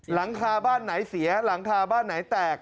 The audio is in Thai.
หลังคาบ้านไหนเสียหลังคาบ้านไหนแตก